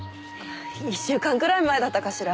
１週間くらい前だったかしら。